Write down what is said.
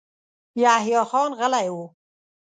يحيی خان غلی و.